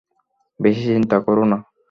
বেশি চিন্তা করো না।